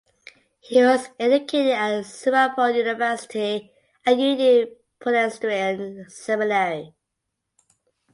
He was educated at Serampore University and Union Presbyterian Seminary.